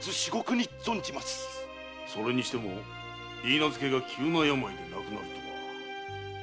それにしても許婚が急な病で亡くなるとは。